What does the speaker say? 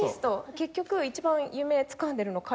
結局一番夢つかんでるの彼？